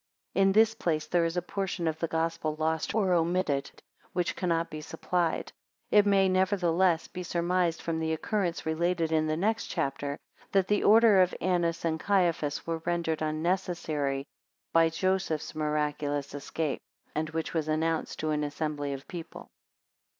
(In this place there is a portion of the Gospel lost or omitted. which cannot be supplied. It may, nevertheless, be surmised from the occurrence related in the next chapter, that the order of Annas and Caiaphas were rendered unnecessary by Joseph's miraculous escape, and which was announced to an assembly of people.)